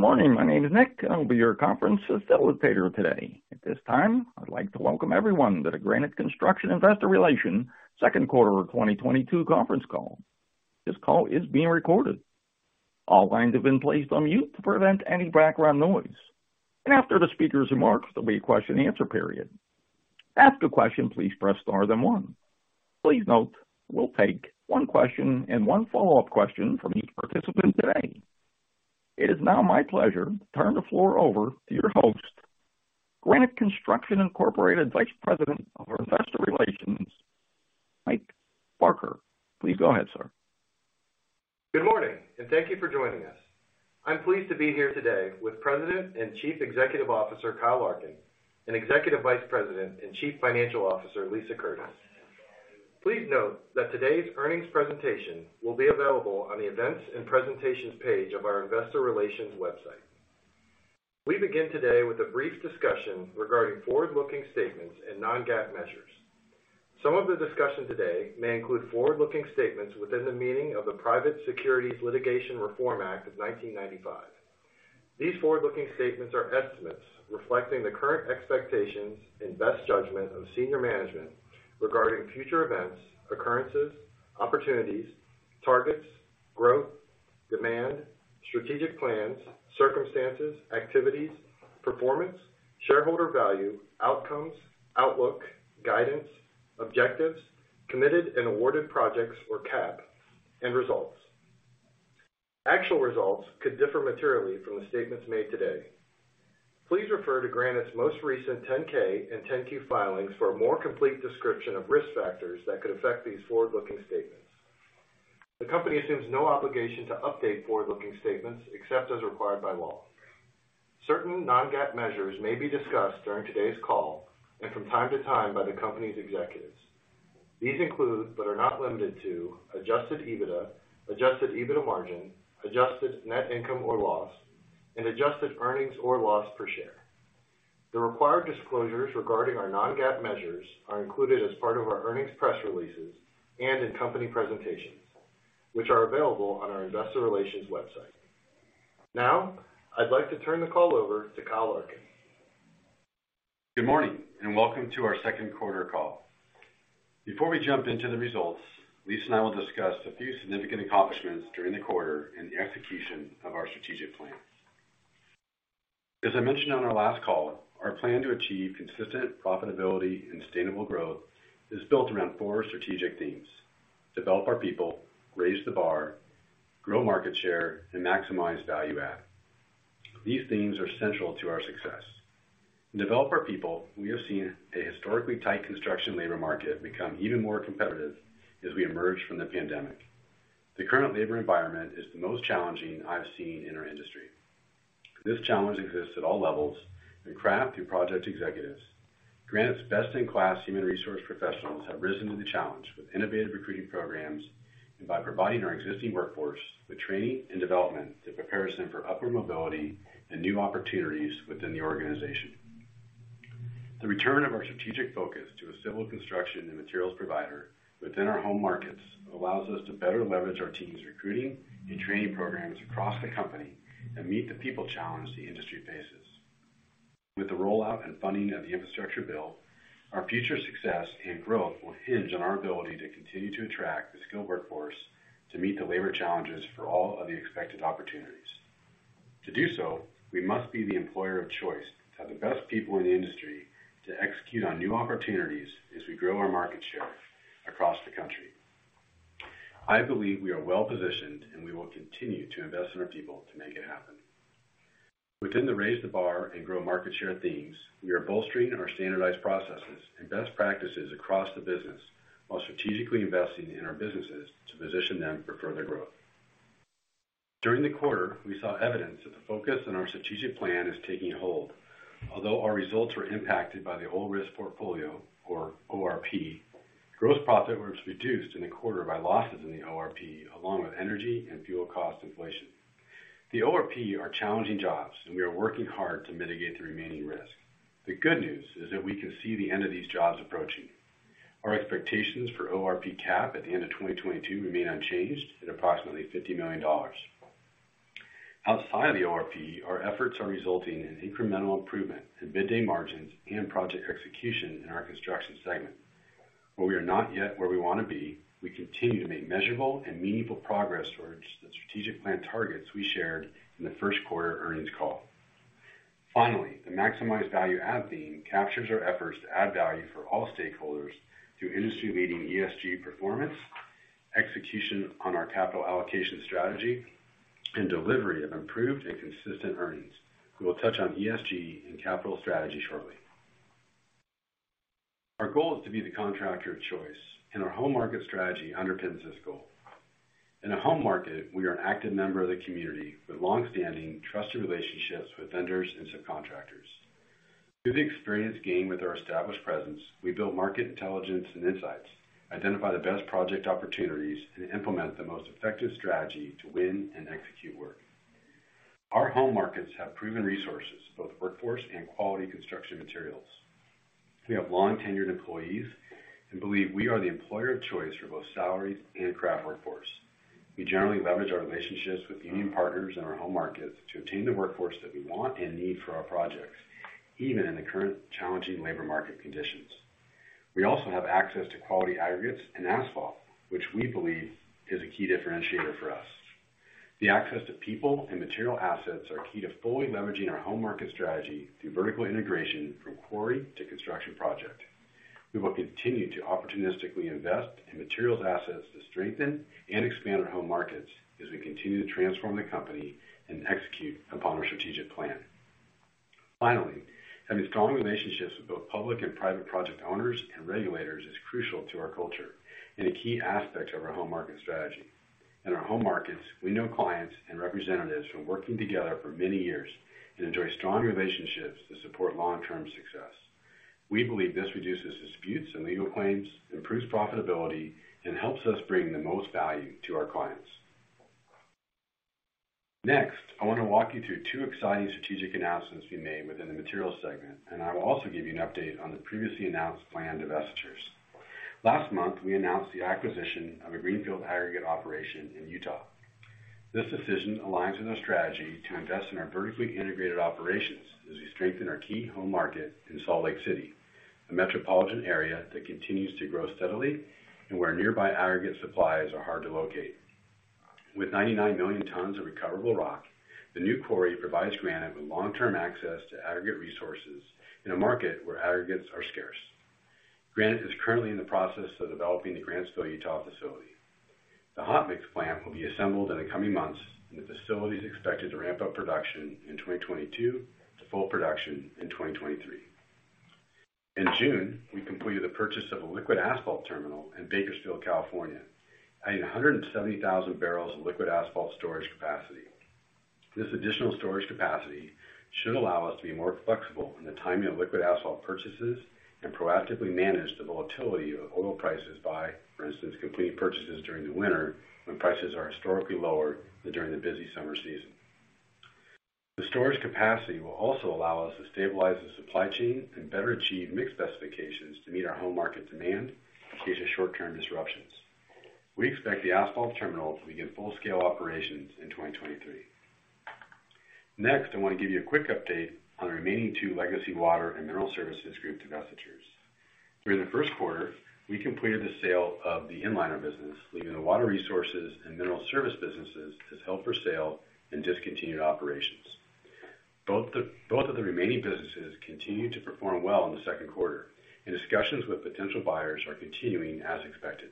Good morning. My name is Nick, and I'll be your conference facilitator today. At this time, I'd like to welcome everyone to the Granite Construction Investor Relations second quarter of 2022 conference call. This call is being recorded. All lines have been placed on mute to prevent any background noise, and after the speaker's remarks, there'll be a question and answer period. To ask a question, please press star then 1. Please note we'll take one question and one follow-up question from each participant today. It is now my pleasure to turn the floor over to your host, Granite Construction Incorporated Vice President of Investor Relations, Mike Barker. Please go ahead, sir. Good morning, and thank you for joining us. I'm pleased to be here today with President and Chief Executive Officer, Kyle Larkin, and Executive Vice President and Chief Financial Officer, Lisa Curtis. Please note that today's earnings presentation will be available on the Events and Presentations page of our investor relations website. We begin today with a brief discussion regarding forward-looking statements and non-GAAP measures. Some of the discussion today may include forward-looking statements within the meaning of the Private Securities Litigation Reform Act of 1995. These forward-looking statements are estimates reflecting the current expectations and best judgment of senior management regarding future events, occurrences, opportunities, targets, growth, demand, strategic plans, circumstances, activities, performance, shareholder value, outcomes, outlook, guidance, objectives, committed and awarded projects or CAP, and results. Actual results could differ materially from the statements made today. Please refer to Granite's most recent 10-K and 10-Q filings for a more complete description of risk factors that could affect these forward-looking statements. The company assumes no obligation to update forward-looking statements except as required by law. Certain non-GAAP measures may be discussed during today's call and from time to time by the company's executives. These include, but are not limited to, adjusted EBITDA, adjusted EBITDA margin, adjusted net income or loss, and adjusted earnings or loss per share. The required disclosures regarding our non-GAAP measures are included as part of our earnings press releases and in company presentations, which are available on our investor relations website. Now, I'd like to turn the call over to Kyle Larkin. Good morning, and welcome to our second quarter call. Before we jump into the results, Lisa and I will discuss a few significant accomplishments during the quarter and the execution of our strategic plan. As I mentioned on our last call, our plan to achieve consistent profitability and sustainable growth is built around four strategic themes, develop our people, raise the bar, grow market share, and maximize value add. These themes are central to our success. In develop our people, we have seen a historically tight construction labor market become even more competitive as we emerge from the pandemic. The current labor environment is the most challenging I've seen in our industry. This challenge exists at all levels from craft through project executives. Granite's best-in-class human resource professionals have risen to the challenge with innovative recruiting programs and by providing our existing workforce with training and development that prepares them for upward mobility and new opportunities within the organization. The return of our strategic focus to a civil construction and materials provider within our home markets allows us to better leverage our team's recruiting and training programs across the company and meet the people challenge the industry faces. With the rollout and funding of the infrastructure bill, our future success and growth will hinge on our ability to continue to attract the skilled workforce to meet the labor challenges for all of the expected opportunities. To do so, we must be the employer of choice to have the best people in the industry to execute on new opportunities as we grow our market share across the country. I believe we are well-positioned, and we will continue to invest in our people to make it happen. Within the raise the bar and grow market share themes, we are bolstering our standardized processes and best practices across the business while strategically investing in our businesses to position them for further growth. During the quarter, we saw evidence that the focus on our strategic plan is taking hold. Although our results were impacted by the old risk portfolio or ORP, gross profit was reduced in the quarter by losses in the ORP, along with energy and fuel cost inflation. The ORP are challenging jobs, and we are working hard to mitigate the remaining risk. The good news is that we can see the end of these jobs approaching. Our expectations for ORP CAP at the end of 2022 remain unchanged at approximately $50 million. Outside of the ORP, our efforts are resulting in incremental improvement in bid day margins and project execution in our construction segment. Where we are not yet where we wanna be, we continue to make measurable and meaningful progress towards the strategic plan targets we shared in the first quarter earnings call. Finally, the maximize value add theme captures our efforts to add value for all stakeholders through industry-leading ESG performance, execution on our capital allocation strategy, and delivery of improved and consistent earnings. We will touch on ESG and capital strategy shortly. Our goal is to be the contractor of choice, and our home market strategy underpins this goal. In a home market, we are an active member of the community with long-standing, trusted relationships with vendors and subcontractors. Through the experience gained with our established presence, we build market intelligence and insights, identify the best project opportunities, and implement the most effective strategy to win and execute work. Our home markets have proven resources, both workforce and quality construction materials. We have long tenured employees and believe we are the employer of choice for both salaries and craft workforce. We generally leverage our relationships with union partners in our home markets to obtain the workforce that we want and need for our projects, even in the current challenging labor market conditions. We also have access to quality aggregates and asphalt, which we believe is a key differentiator for us. The access to people and material assets are key to fully leveraging our home market strategy through vertical integration from quarry to construction project. We will continue to opportunistically invest in materials assets to strengthen and expand our home markets as we continue to transform the company and execute upon our strategic plan. Finally, having strong relationships with both public and private project owners and regulators is crucial to our culture and a key aspect of our home market strategy. In our home markets, we know clients and representatives from working together for many years and enjoy strong relationships to support long-term success. We believe this reduces disputes and legal claims, improves profitability, and helps us bring the most value to our clients. Next, I want to walk you through two exciting strategic announcements we made within the materials segment, and I will also give you an update on the previously announced planned divestitures. Last month, we announced the acquisition of a greenfield aggregate operation in Utah. This decision aligns with our strategy to invest in our vertically integrated operations as we strengthen our key home market in Salt Lake City, a metropolitan area that continues to grow steadily and where nearby aggregate supplies are hard to locate. With 99 million tons of recoverable rock, the new quarry provides Granite with long-term access to aggregate resources in a market where aggregates are scarce. Granite is currently in the process of developing the Grantsville, Utah facility. The hot mix plant will be assembled in the coming months, and the facility is expected to ramp up production in 2022 to full production in 2023. In June, we completed the purchase of a liquid asphalt terminal in Bakersfield, California, adding 170,000 barrels of liquid asphalt storage capacity. This additional storage capacity should allow us to be more flexible in the timing of liquid asphalt purchases and proactively manage the volatility of oil prices by, for instance, completing purchases during the winter when prices are historically lower than during the busy summer season. The storage capacity will also allow us to stabilize the supply chain and better achieve mix specifications to meet our home market demand in case of short-term disruptions. We expect the asphalt terminal to begin full-scale operations in 2023. Next, I want to give you a quick update on the remaining two legacy water and mineral services group divestitures. During the first quarter, we completed the sale of the Inliner business, leaving the water resources and mineral service businesses as held for sale and discontinued operations. Both of the remaining businesses continued to perform well in the second quarter, and discussions with potential buyers are continuing as expected.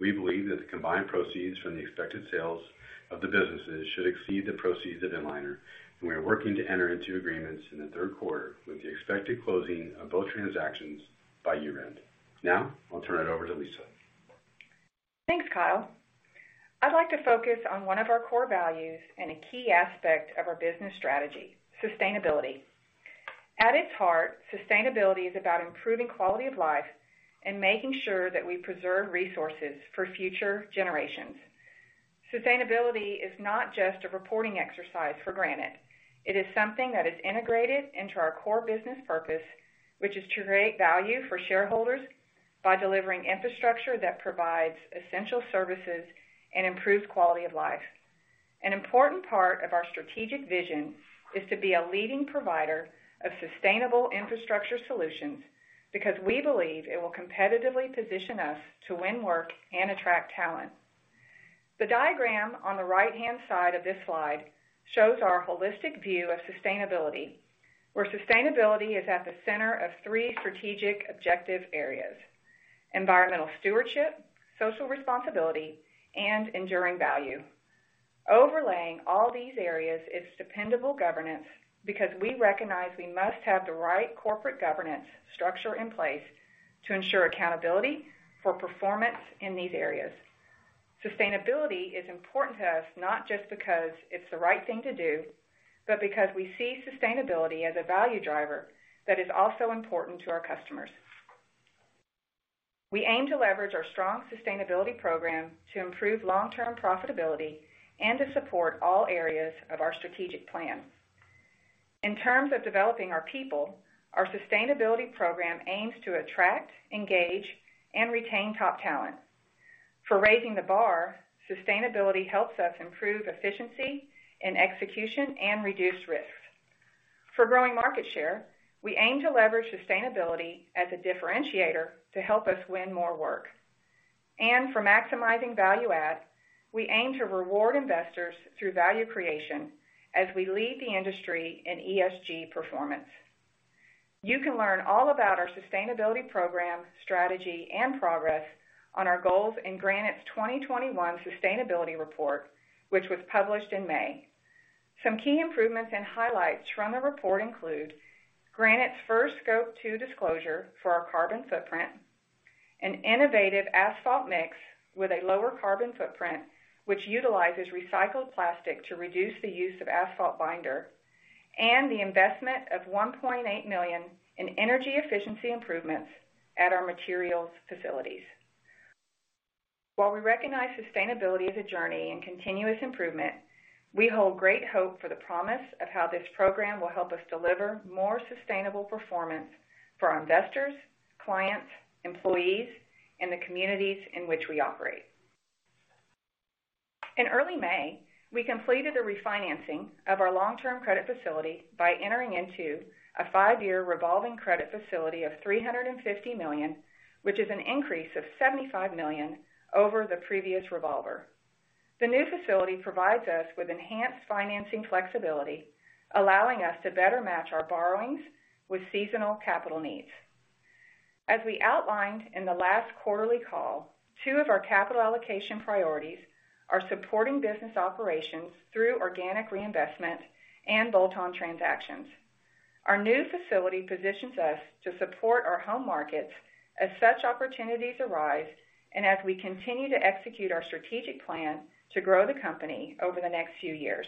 We believe that the combined proceeds from the expected sales of the businesses should exceed the proceeds of Inliner, and we are working to enter into agreements in the third quarter with the expected closing of both transactions by year-end. Now, I'll turn it over to Lisa. Thanks, Kyle. I'd like to focus on one of our core values and a key aspect of our business strategy, sustainability. At its heart, sustainability is about improving quality of life and making sure that we preserve resources for future generations. Sustainability is not just a reporting exercise for Granite. It is something that is integrated into our core business purpose, which is to create value for shareholders by delivering infrastructure that provides essential services and improves quality of life. An important part of our strategic vision is to be a leading provider of sustainable infrastructure solutions because we believe it will competitively position us to win work and attract talent. The diagram on the right-hand side of this slide shows our holistic view of sustainability, where sustainability is at the center of three strategic objective areas, environmental stewardship, social responsibility, and enduring value. Overlaying all these areas is dependable governance because we recognize we must have the right corporate governance structure in place to ensure accountability for performance in these areas. Sustainability is important to us not just because it's the right thing to do, but because we see sustainability as a value driver that is also important to our customers. We aim to leverage our strong sustainability program to improve long-term profitability and to support all areas of our strategic plan. In terms of developing our people, our sustainability program aims to attract, engage, and retain top talent. For raising the bar, sustainability helps us improve efficiency in execution and reduce risks. For growing market share, we aim to leverage sustainability as a differentiator to help us win more work. For maximizing value add, we aim to reward investors through value creation as we lead the industry in ESG performance. You can learn all about our sustainability program, strategy, and progress on our goals in Granite's 2021 sustainability report, which was published in May. Some key improvements and highlights from the report include Granite's first Scope 2 disclosure for our carbon footprint, an innovative asphalt mix with a lower carbon footprint, which utilizes recycled plastic to reduce the use of asphalt binder, and the investment of $1.8 million in energy efficiency improvements at our materials facilities. While we recognize sustainability as a journey and continuous improvement, we hold great hope for the promise of how this program will help us deliver more sustainable performance for our investors, clients, employees, and the communities in which we operate. In early May, we completed a refinancing of our long-term credit facility by entering into a 5-year revolving credit facility of $350 million, which is an increase of $75 million over the previous revolver. The new facility provides us with enhanced financing flexibility, allowing us to better match our borrowings with seasonal capital needs. As we outlined in the last quarterly call, two of our capital allocation priorities are supporting business operations through organic reinvestment and bolt-on transactions. Our new facility positions us to support our home markets as such opportunities arise and as we continue to execute our strategic plan to grow the company over the next few years.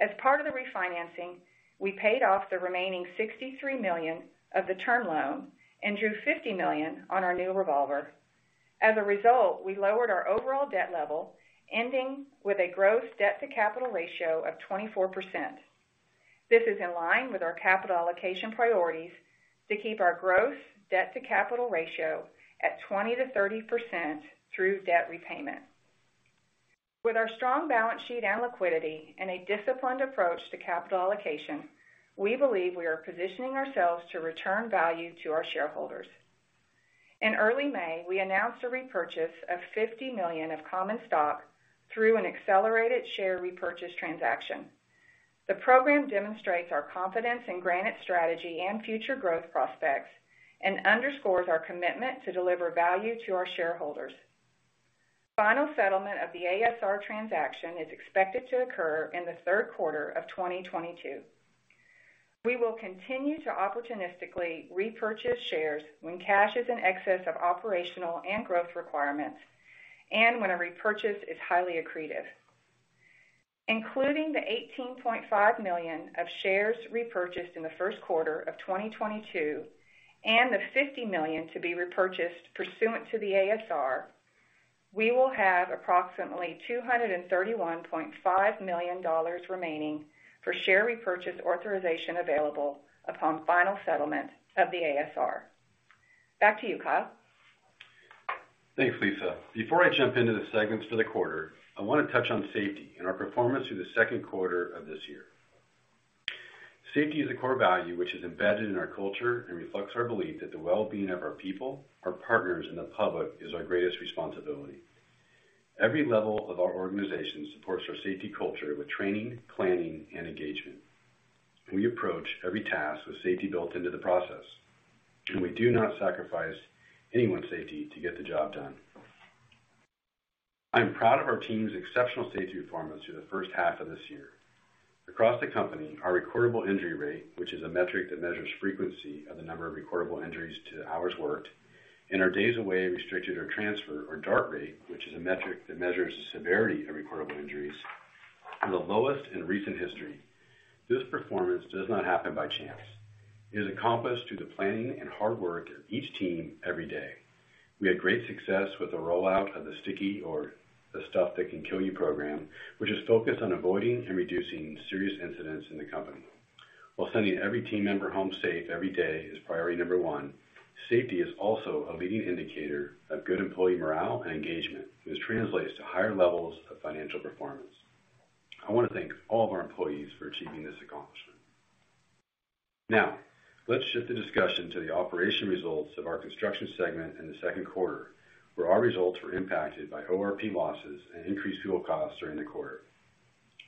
As part of the refinancing, we paid off the remaining $63 million of the term loan and drew $50 million on our new revolver. As a result, we lowered our overall debt level, ending with a gross debt-to-capital ratio of 24%. This is in line with our capital allocation priorities to keep our gross debt-to-capital ratio at 20%-30% through debt repayment. With our strong balance sheet and liquidity and a disciplined approach to capital allocation, we believe we are positioning ourselves to return value to our shareholders. In early May, we announced a repurchase of $50 million of common stock through an accelerated share repurchase transaction. The program demonstrates our confidence in Granite's strategy and future growth prospects and underscores our commitment to deliver value to our shareholders. Final settlement of the ASR transaction is expected to occur in the third quarter of 2022. We will continue to opportunistically repurchase shares when cash is in excess of operational and growth requirements and when a repurchase is highly accretive. Including the 18.5 million of shares repurchased in the first quarter of 2022 and the 50 million to be repurchased pursuant to the ASR, we will have approximately $231.5 million remaining for share repurchase authorization available upon final settlement of the ASR. Back to you, Kyle. Thanks, Lisa. Before I jump into the segments for the quarter, I wanna touch on safety and our performance through the second quarter of this year. Safety is a core value which is embedded in our culture and reflects our belief that the well-being of our people, our partners and the public is our greatest responsibility. Every level of our organization supports our safety culture with training, planning, and engagement. We approach every task with safety built into the process, and we do not sacrifice anyone's safety to get the job done. I am proud of our team's exceptional safety performance through the first half of this year. Across the company, our recordable injury rate, which is a metric that measures frequency of the number of recordable injuries to hours worked, and our days away restricted or transfer, or DART rate, which is a metric that measures the severity of recordable injuries, are the lowest in recent history. This performance does not happen by chance. It is accomplished through the planning and hard work of each team every day. We had great success with the rollout of the STCKY or the Stuff That Can Kill You program, which is focused on avoiding and reducing serious incidents in the company. While sending every team member home safe every day is priority number one, safety is also a leading indicator of good employee morale and engagement, which translates to higher levels of financial performance. I wanna thank all of our employees for achieving this accomplishment. Now, let's shift the discussion to the operational results of our construction segment in the second quarter, where our results were impacted by ORP losses and increased fuel costs during the quarter.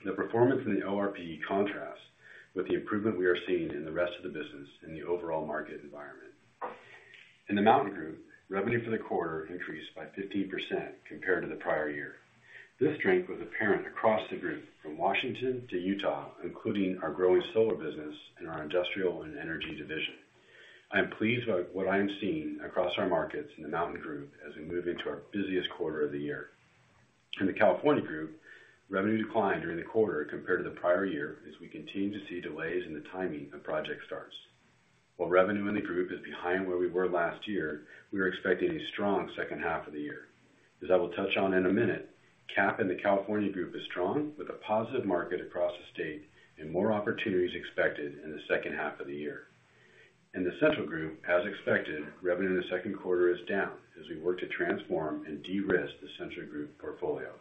The performance in the ORP contrasts with the improvement we are seeing in the rest of the business in the overall market environment. In the Mountain Group, revenue for the quarter increased by 15% compared to the prior year. This strength was apparent across the group from Washington to Utah, including our growing solar business and our industrial and energy division. I am pleased by what I am seeing across our markets in the Mountain Group as we move into our busiest quarter of the year. In the California Group, revenue declined during the quarter compared to the prior year as we continue to see delays in the timing of project starts. While revenue in the group is behind where we were last year, we are expecting a strong second half of the year. As I will touch on in a minute, CAP in the California Group is strong with a positive market across the state and more opportunities expected in the second half of the year. In the Central Group, as expected, revenue in the second quarter is down as we work to transform and de-risk the Central Group portfolio.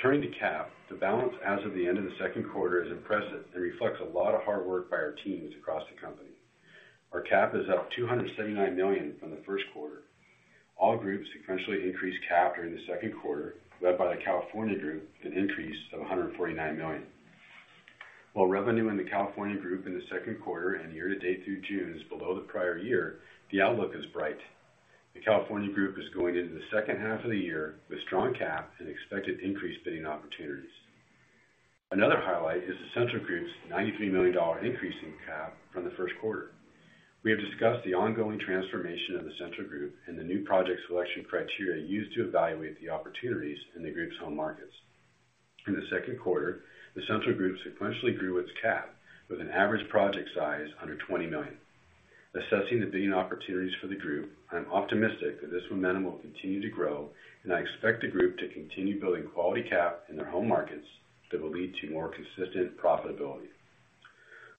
Turning to CAP, the balance as of the end of the second quarter is impressive and reflects a lot of hard work by our teams across the company. Our CAP is up $279 million from the first quarter. All groups sequentially increased CAP during the second quarter, led by the California Group with an increase of $149 million. While revenue in the California Group in the second quarter and year to date through June is below the prior year, the outlook is bright. The California Group is going into the second half of the year with strong CAP and expected increased bidding opportunities. Another highlight is the Central Group's $93 million increase in CAP from the first quarter. We have discussed the ongoing transformation of the Central Group and the new project selection criteria used to evaluate the opportunities in the group's home markets. In the second quarter, the Central Group sequentially grew its CAP with an average project size under $20 million. Assessing the bidding opportunities for the group, I am optimistic that this momentum will continue to grow, and I expect the group to continue building quality CAP in their home markets that will lead to more consistent profitability.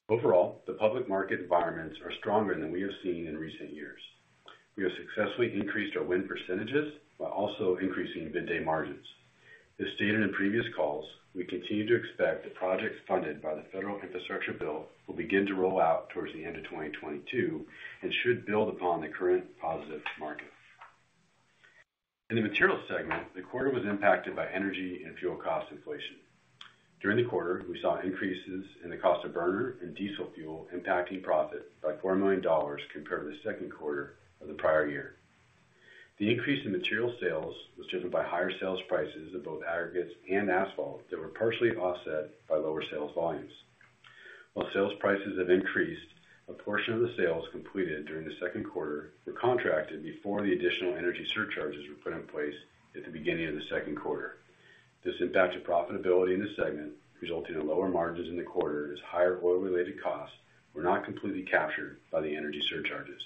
Overall, the public market environments are stronger than we have seen in recent years. We have successfully increased our win percentages while also increasing bid day margins. As stated in previous calls, we continue to expect the projects funded by the Federal Infrastructure Bill will begin to roll out towards the end of 2022 and should build upon the current positive markets. In the materials segment, the quarter was impacted by energy and fuel cost inflation. During the quarter, we saw increases in the cost of bunker and diesel fuel impacting profit by $4 million compared to the second quarter of the prior year. The increase in material sales was driven by higher sales prices of both aggregates and asphalt that were partially offset by lower sales volumes. While sales prices have increased, a portion of the sales completed during the second quarter were contracted before the additional energy surcharges were put in place at the beginning of the second quarter. This impacted profitability in this segment, resulting in lower margins in the quarter as higher oil related costs were not completely captured by the energy surcharges.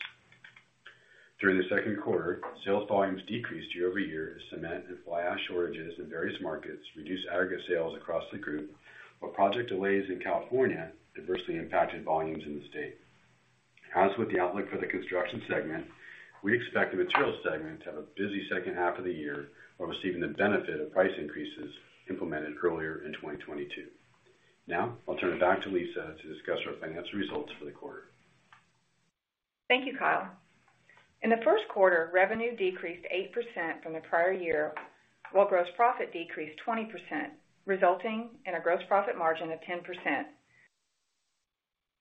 During the second quarter, sales volumes decreased year-over-year as cement and fly ash shortages in various markets reduced aggregate sales across the group, while project delays in California adversely impacted volumes in the state. As with the outlook for the construction segment, we expect the materials segment to have a busy second half of the year while receiving the benefit of price increases implemented earlier in 2022. Now I'll turn it back to Lisa to discuss our financial results for the quarter. Thank you, Kyle. In the first quarter, revenue decreased 8% from the prior year, while gross profit decreased 20%, resulting in a gross profit margin of 10%.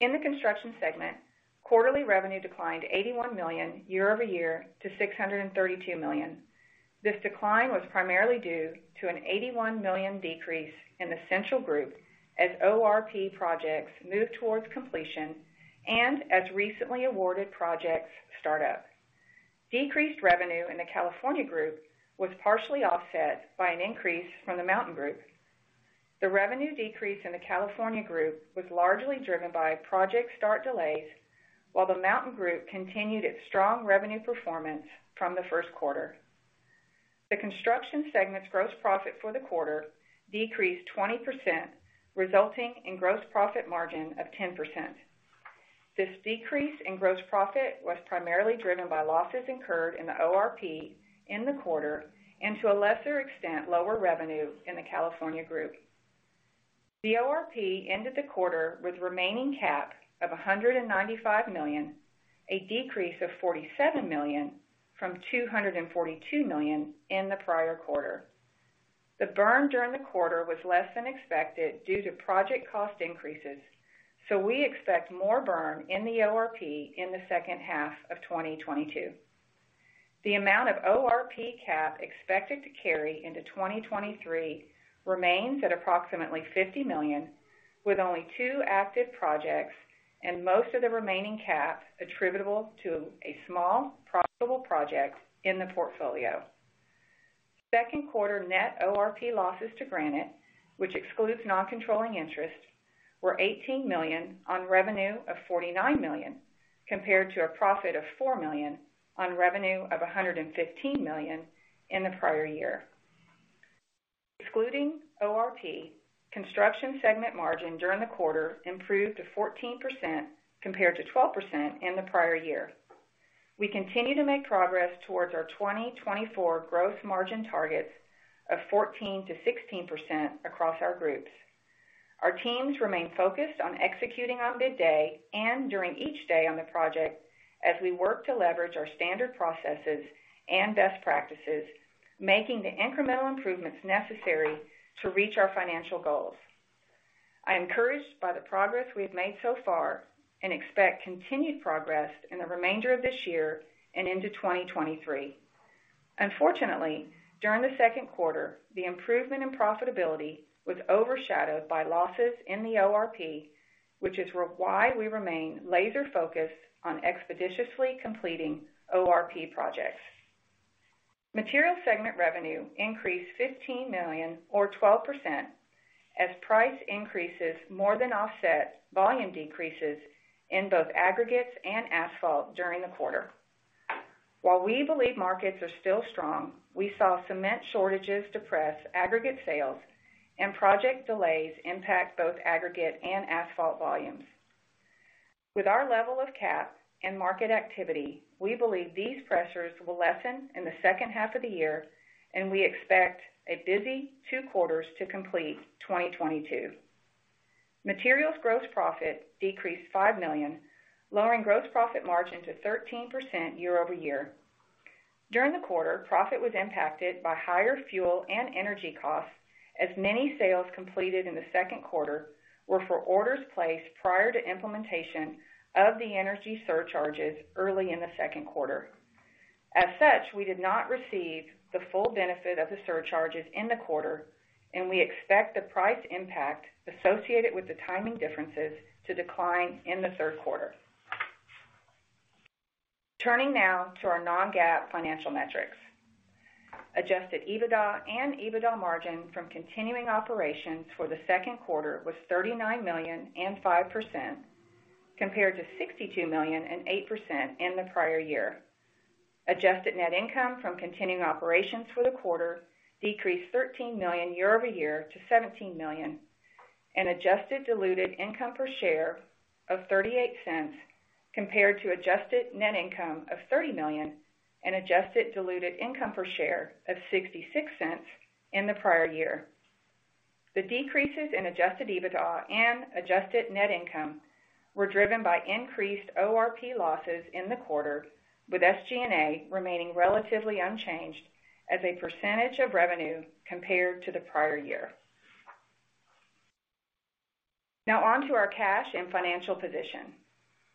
In the construction segment, quarterly revenue declined $81 million year-over-year to $632 million. This decline was primarily due to an $81 million decrease in the Central Group as ORP projects move towards completion and as recently awarded projects start up. Decreased revenue in the California Group was partially offset by an increase from the Mountain Group. The revenue decrease in the California Group was largely driven by project start delays, while the Mountain Group continued its strong revenue performance from the first quarter. The construction segment's gross profit for the quarter decreased 20%, resulting in gross profit margin of 10%. This decrease in gross profit was primarily driven by losses incurred in the ORP in the quarter and, to a lesser extent, lower revenue in the California Group. The ORP ended the quarter with remaining cap of $195 million, a decrease of $47 million from $242 million in the prior quarter. The burn during the quarter was less than expected due to project cost increases, so we expect more burn in the ORP in the second half of 2022. The amount of ORP cap expected to carry into 2023 remains at approximately $50 million, with only two active projects and most of the remaining cap attributable to a small profitable project in the portfolio. Second quarter net ORP losses to Granite, which excludes non-controlling interests, were $18 million on revenue of $49 million, compared to a profit of $4 million on revenue of $115 million in the prior year. Excluding ORP, construction segment margin during the quarter improved to 14%, compared to 12% in the prior year. We continue to make progress towards our 2024 growth margin targets of 14%-16% across our groups. Our teams remain focused on executing on bid day and during each day on the project as we work to leverage our standard processes and best practices, making the incremental improvements necessary to reach our financial goals. I am encouraged by the progress we have made so far and expect continued progress in the remainder of this year and into 2023. Unfortunately, during the second quarter, the improvement in profitability was overshadowed by losses in the ORP, which is why we remain laser focused on expeditiously completing ORP projects. Materials segment revenue increased $15 million, or 12%, as price increases more than offset volume decreases in both aggregates and asphalt during the quarter. While we believe markets are still strong, we saw cement shortages depress aggregate sales and project delays impact both aggregate and asphalt volumes. With our level of CapEx and market activity, we believe these pressures will lessen in the second half of the year, and we expect a busy two quarters to complete 2022. Materials gross profit decreased $5 million, lowering gross profit margin to 13% year-over-year. During the quarter, profit was impacted by higher fuel and energy costs as many sales completed in the second quarter were for orders placed prior to implementation of the energy surcharges early in the second quarter. As such, we did not receive the full benefit of the surcharges in the quarter, and we expect the price impact associated with the timing differences to decline in the third quarter. Turning now to our non-GAAP financial metrics. Adjusted EBITDA and EBITDA margin from continuing operations for the second quarter was $39 million and 5% compared to $62 million and 8% in the prior year. Adjusted net income from continuing operations for the quarter decreased $13 million year-over-year to $17 million and adjusted diluted income per share of $0.38 compared to adjusted net income of $30 million and adjusted diluted income per share of $0.66 in the prior year. The decreases in adjusted EBITDA and adjusted net income were driven by increased ORP losses in the quarter, with SG&A remaining relatively unchanged as a percentage of revenue compared to the prior year. Now on to our cash and financial position.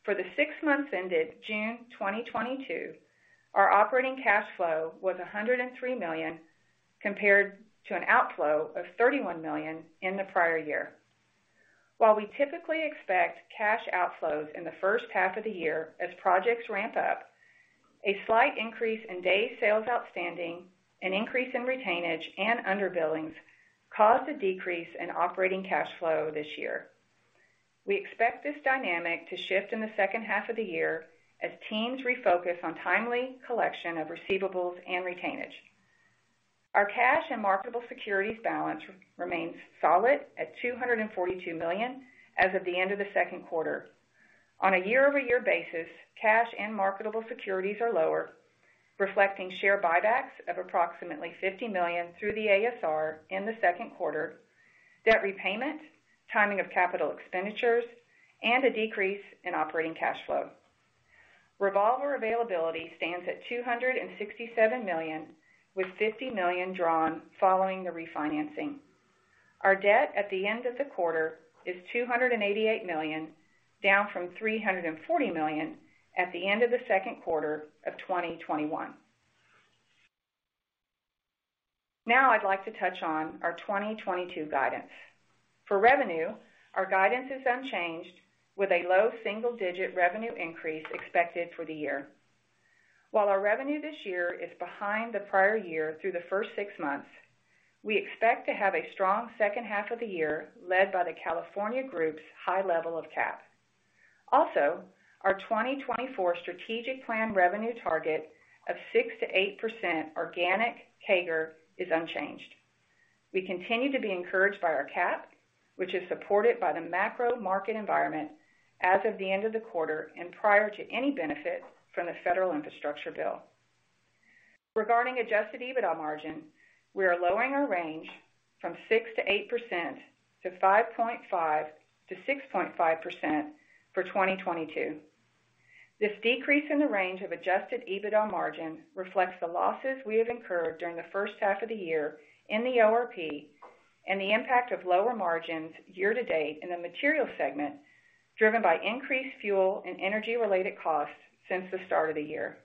For the six months ended June 2022, our operating cash flow was $103 million, compared to an outflow of $31 million in the prior year. While we typically expect cash outflows in the first half of the year as projects ramp up, a slight increase in days sales outstanding, an increase in retainage and underbillings caused a decrease in operating cash flow this year. We expect this dynamic to shift in the second half of the year as teams refocus on timely collection of receivables and retainage. Our cash and marketable securities balance remains solid at $242 million as of the end of the second quarter. On a year-over-year basis, cash and marketable securities are lower, reflecting share buybacks of approximately $50 million through the ASR in the second quarter, debt repayment, timing of capital expenditures, and a decrease in operating cash flow. Revolver availability stands at $267 million, with $50 million drawn following the refinancing. Our debt at the end of the quarter is $288 million, down from $340 million at the end of the second quarter of 2021. Now I'd like to touch on our 2022 guidance. For revenue, our guidance is unchanged with a low single-digit revenue increase expected for the year. While our revenue this year is behind the prior year through the first six months, we expect to have a strong second half of the year led by the California Group's high level of CAP. Also, our 2024 strategic plan revenue target of 6%-8% organic CAGR is unchanged. We continue to be encouraged by our CAP, which is supported by the macro market environment as of the end of the quarter and prior to any benefit from the federal infrastructure bill. Regarding adjusted EBITDA margin, we are lowering our range from 6%-8% to 5.5%-6.5% for 2022. This decrease in the range of adjusted EBITDA margin reflects the losses we have incurred during the first half of the year in the ORP and the impact of lower margins year to date in the materials segment, driven by increased fuel and energy-related costs since the start of the year.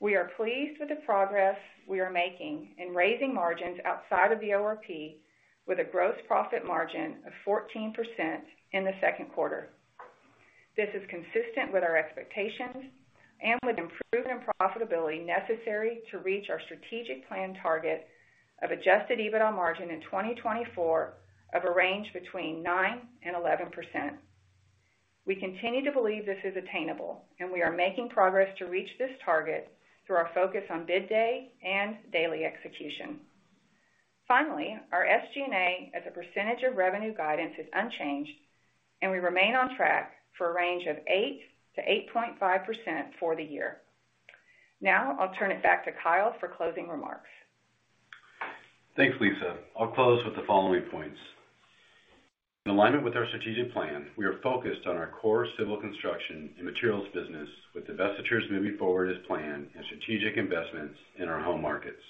We are pleased with the progress we are making in raising margins outside of the ORP with a gross profit margin of 14% in the second quarter. This is consistent with our expectations and with improving profitability necessary to reach our strategic plan target of adjusted EBITDA margin in 2024 of a range between 9% and 11%. We continue to believe this is attainable and we are making progress to reach this target through our focus on bid day and daily execution. Finally, our SG&A as a percentage of revenue guidance is unchanged and we remain on track for a range of 8%-8.5% for the year. Now I'll turn it back to Kyle for closing remarks. Thanks, Lisa. I'll close with the following points. In alignment with our strategic plan, we are focused on our core civil construction and materials business with divestitures moving forward as planned and strategic investments in our home markets.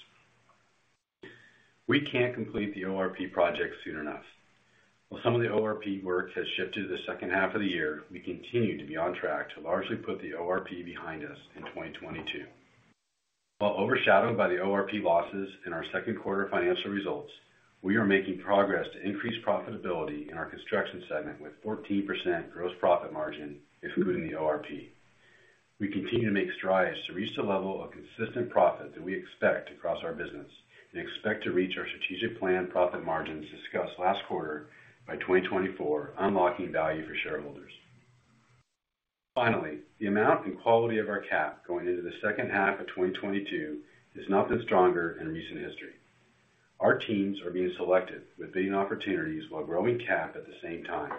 We can't complete the ORP project soon enough. While some of the ORP work has shifted to the second half of the year, we continue to be on track to largely put the ORP behind us in 2022. While overshadowed by the ORP losses in our second quarter financial results, we are making progress to increase profitability in our construction segment with 14% gross profit margin, excluding the ORP. We continue to make strides to reach the level of consistent profit that we expect across our business and expect to reach our strategic plan profit margins discussed last quarter by 2024, unlocking value for shareholders. Finally, the amount and quality of our CAP going into the second half of 2022 has not been stronger in recent history. Our teams are being selected with bidding opportunities while growing CAP at the same time.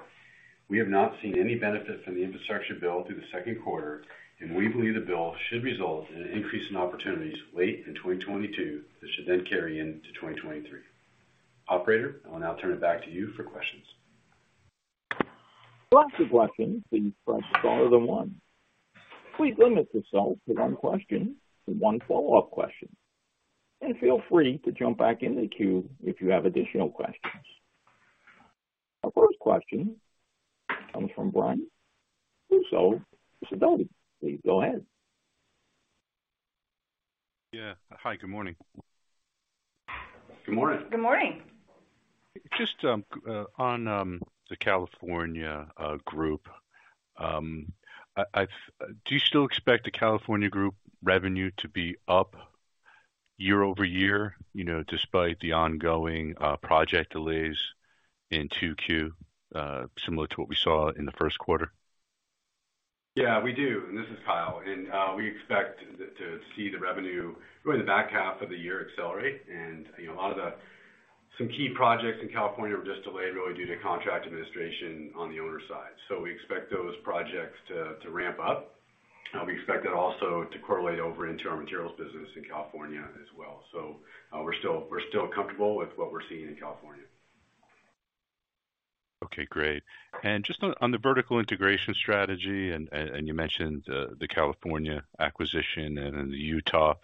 We have not seen any benefit from the infrastructure bill through the second quarter, and we believe the bill should result in an increase in opportunities late in 2022 that should then carry into 2023. Operator, I will now turn it back to you for questions. Last question, please press star then one. Please limit yourself to one question and one follow-up question. Feel free to jump back in the queue if you have additional questions. Our first question comes from Brian Russo with Jefferies. Please go ahead. Yeah. Hi, good morning. Good morning. Good morning. Just, on the California Group, I do you still expect the California Group revenue to be up year-over-year, you know, despite the ongoing project delays in 2Q, similar to what we saw in the first quarter? Yeah, we do. This is Kyle. We expect to see the revenue through the back half of the year accelerate. You know, some key projects in California are just delayed really due to contract administration on the owner side. We expect those projects to ramp up. We expect that also to correlate over into our materials business in California as well. We're still comfortable with what we're seeing in California. Okay, great. Just on the vertical integration strategy, and you mentioned the California acquisition and then the Utah,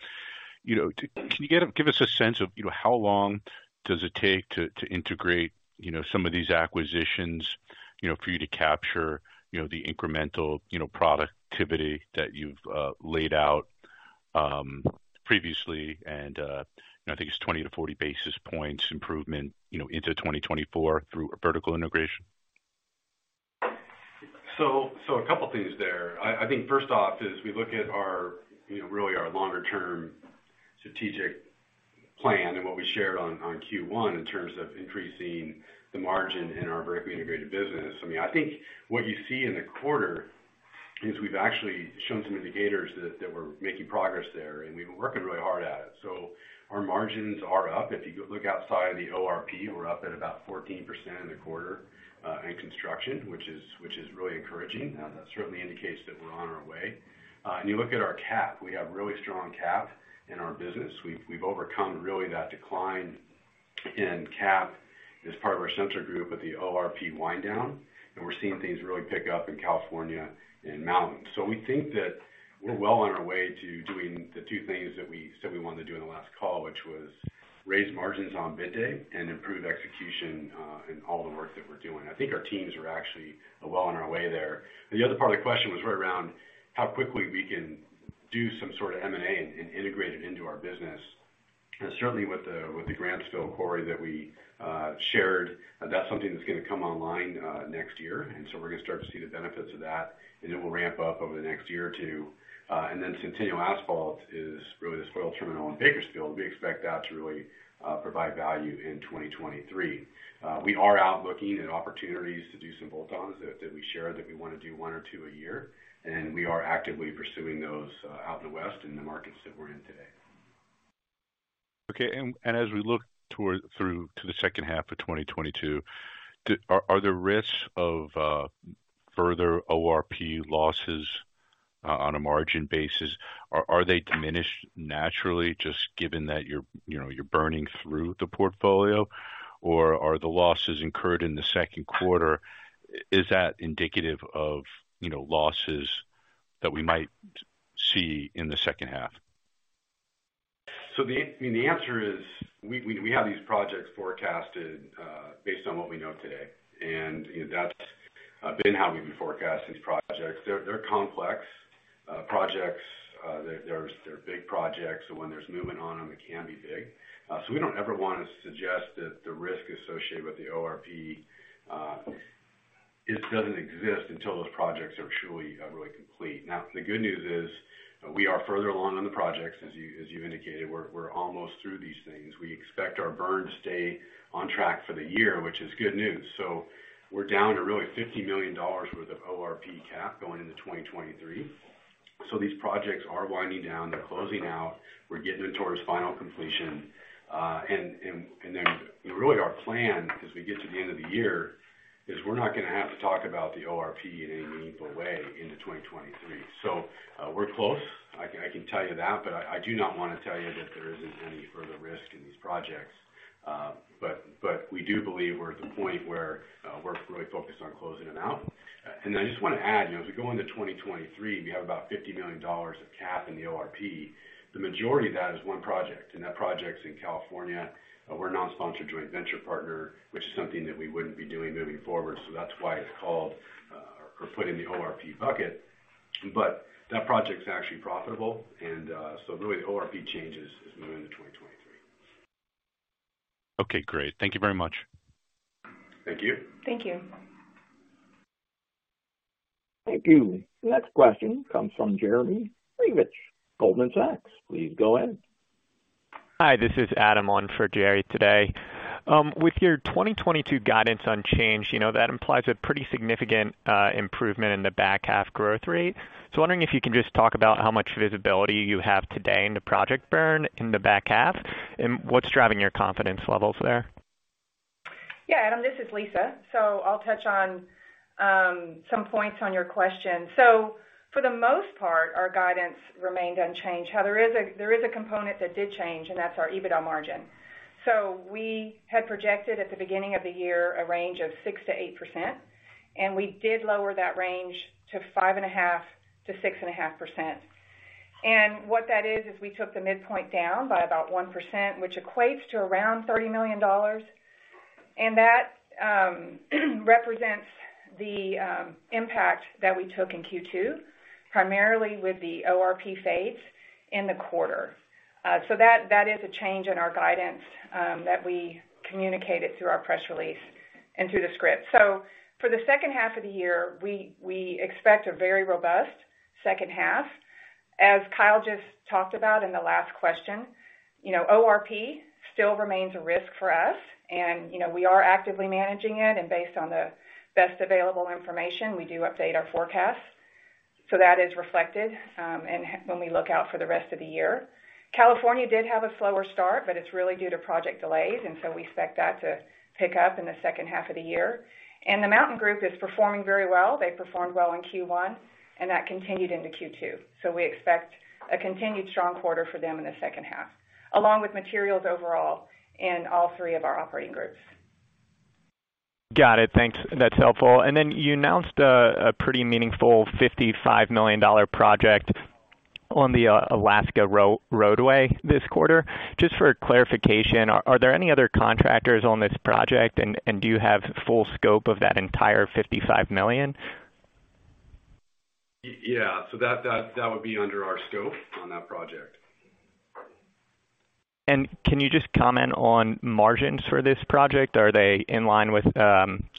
you know, can you give us a sense of, you know, how long does it take to integrate, you know, some of these acquisitions, you know, for you to capture, you know, the incremental, you know, productivity that you've laid out previously and, you know, I think it's 20-40 basis points improvement, you know, into 2024 through a vertical integration? A couple things there. I think first off is we look at our, you know, really our longer term strategic plan and what we shared on Q1 in terms of increasing the margin in our vertically integrated business. I mean, I think what you see in the quarter is we've actually shown some indicators that we're making progress there and we've been working really hard at it. Our margins are up. If you go look outside the ORP, we're up at about 14% in the quarter in construction, which is really encouraging. That certainly indicates that we're on our way. And you look at our CapEx, we have really strong CapEx in our business. We've overcome really that decline in CapEx as part of our Central Group with the ORP wind down, and we're seeing things really pick up in California and Mountain. We think that we're well on our way to doing the two things that we said we wanted to do in the last call, which was raise margins on bid day and improve execution in all the work that we're doing. I think our teams are actually well on our way there. The other part of the question was right around how quickly we can do some sort of M&A and integrate it into our business. Certainly, with the Grantsville Quarry that we shared, that's something that's gonna come online next year, and we're gonna start to see the benefits of that, and it will ramp up over the next year or two. Centennial Asphalt is really this oil terminal in Bakersfield. We expect that to really provide value in 2023. We are out looking at opportunities to do some bolt-ons that we share that we wanna do 1 or 2 a year, and we are actively pursuing those out in the west in the markets that we're in today. Okay. As we look through to the second half of 2022, are the risks of further ORP losses on a margin basis are they diminished naturally just given that you're, you know, you're burning through the portfolio? Or are the losses incurred in the second quarter, is that indicative of, you know, losses that we might see in the second half? I mean, the answer is we have these projects forecasted based on what we know today. You know, that's been how we've been forecasting projects. They're complex projects. They're big projects, so when there's movement on them, it can be big. We don't ever wanna suggest that the risk associated with the ORP, it doesn't exist until those projects are truly really complete. Now, the good news is we are further along on the projects as you've indicated. We're almost through these things. We expect our burn to stay on track for the year, which is good news. We're down to really $50 million worth of ORP cap going into 2023. These projects are winding down. They're closing out. We're getting them towards final completion. Then really our plan as we get to the end of the year is we're not gonna have to talk about the ORP in any meaningful way into 2023. We're close. I can tell you that, but I do not wanna tell you that there isn't any further risk in these projects. But we do believe we're at the point where we're really focused on closing it out. I just wanna add, you know, as we go into 2023, we have about $50 million of cap in the ORP. The majority of that is one project, and that project's in California. We're a non-sponsored joint venture partner, which is something that we wouldn't be doing moving forward. That's why it's called or put in the ORP bucket. That project's actually profitable and really the ORP changes is new into 2023. Okay, great. Thank you very much. Thank you. Thank you. Thank you. Next question comes from Jerry Revich, Goldman Sachs. Please go ahead. Hi, this is Adam on for Jerry today. With your 2022 guidance unchanged, you know, that implies a pretty significant improvement in the back half growth rate. Wondering if you can just talk about how much visibility you have today in the project burn in the back half, and what's driving your confidence levels there? Yeah, Adam, this is Lisa. I'll touch on some points on your question. For the most part, our guidance remained unchanged. However, there is a component that did change, and that's our EBITDA margin. We had projected at the beginning of the year a range of 6%-8%, and we did lower that range to 5.5%-6.5%. What that is we took the midpoint down by about 1%, which equates to around $30 million. That represents the impact that we took in Q2, primarily with the ORP phase in the quarter. That is a change in our guidance that we communicated through our press release and through the script. For the second half of the year, we expect a very robust second half. As Kyle just talked about in the last question, you know, ORP still remains a risk for us and, you know, we are actively managing it, and based on the best available information, we do update our forecasts. That is reflected when we look out for the rest of the year. California did have a slower start, but it's really due to project delays, and so we expect that to pick up in the second half of the year. The Mountain Group is performing very well. They performed well in Q1, and that continued into Q2. We expect a continued strong quarter for them in the second half, along with materials overall in all three of our operating groups. Got it. Thanks. That's helpful. You announced a pretty meaningful $55 million project on the Alaska roadway this quarter. Just for clarification, are there any other contractors on this project? Do you have full scope of that entire $55 million? Yeah. That would be under our scope on that project. Can you just comment on margins for this project? Are they in line with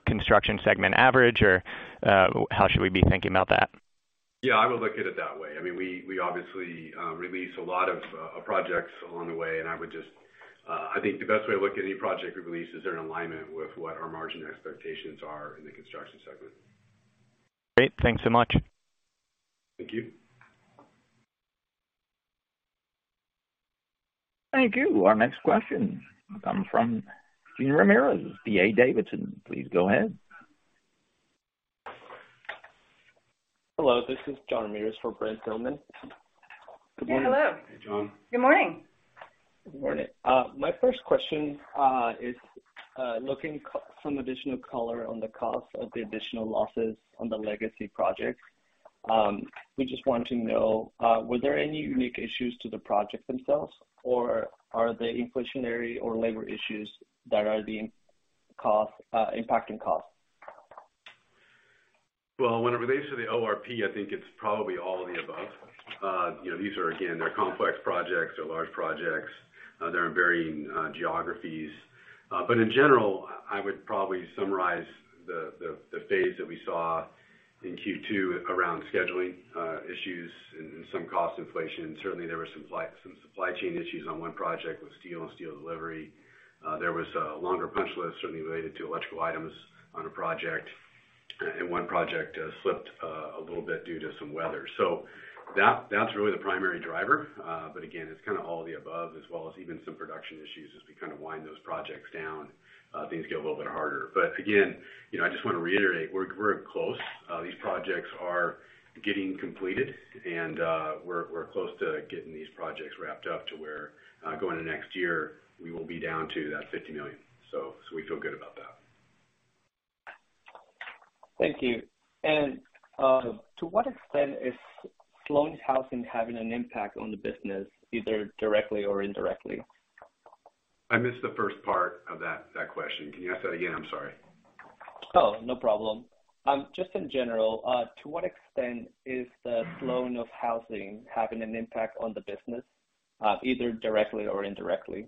construction segment average? Or how should we be thinking about that? Yeah, I would look at it that way. I mean, we obviously release a lot of projects along the way. I think the best way to look at any project we release is they're in alignment with what our margin expectations are in the construction segment. Great. Thanks so much. Thank you. Thank you. Our next question comes from John Ramirez of D.A. Davidson. Please go ahead. Hello, this is John Ramirez for Brent Thielman. Good morning. Yeah, hello. Hey, John. Good morning. Good morning. My first question is looking for some additional color on the cost of the additional losses on the legacy projects. We just want to know, were there any unique issues to the projects themselves? Or are they inflationary or labor issues that are impacting cost? Well, when it relates to the ORP, I think it's probably all of the above. You know, these are, again, they're complex projects. They're large projects. They're in varying geographies. In general, I would probably summarize the phase that we saw in Q2 around scheduling issues and some cost inflation. Certainly, there were some supply chain issues on one project with steel and steel delivery. There was a longer punch list certainly related to electrical items on a project. One project slipped a little bit due to some weather. That's really the primary driver. Again, it's kinda all of the above, as well as even some production issues. As we kind of wind those projects down, things get a little bit harder. Again, you know, I just wanna reiterate, we're close. These projects are getting completed, and we're close to getting these projects wrapped up to where, going to next year, we will be down to that $50 million. We feel good about that. Thank you. To what extent is slowing housing having an impact on the business, either directly or indirectly? I missed the first part of that question. Can you ask that again? I'm sorry. Oh, no problem. Just in general, to what extent is the slowing of housing having an impact on the business, either directly or indirectly?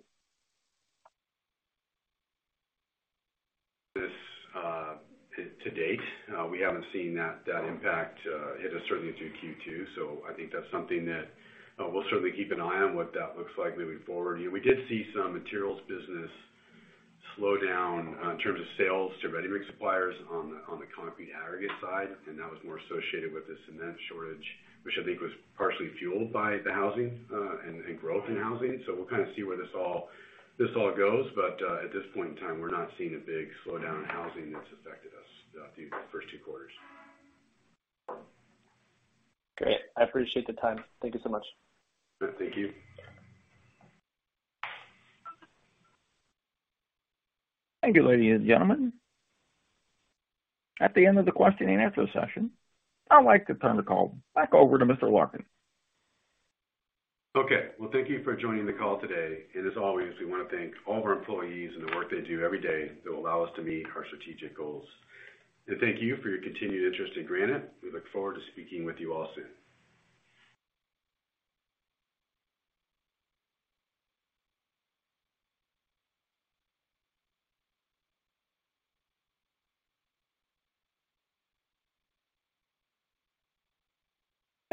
To date, we haven't seen that impact. It is certainly through Q2, so I think that's something that we'll certainly keep an eye on what that looks like moving forward. You know, we did see some materials business slow down in terms of sales to ready-mix suppliers on the concrete aggregate side, and that was more associated with the cement shortage, which I think was partially fueled by the housing and growth in housing. We'll kind of see where this all goes. At this point in time, we're not seeing a big slowdown in housing that's affected us these first two quarters. Great. I appreciate the time. Thank you so much. Good. Thank you. Thank you, ladies and gentlemen. At the end of the question and answer session, I'd like to turn the call back over to Mr. Larkin. Okay. Well, thank you for joining the call today. As always, we wanna thank all of our employees and the work they do every day that allow us to meet our strategic goals. Thank you for your continued interest in Granite. We look forward to speaking with you all soon.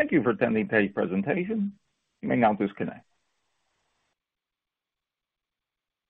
Thank you for attending today's presentation. You may now disconnect.